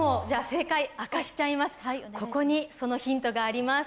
ここにそのヒントがあります。